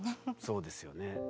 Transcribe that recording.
そうですよね。